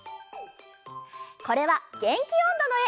これは「げんきおんど」のえ。